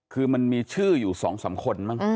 คือมันมีชื่ออยู่๒๓คนมั้ง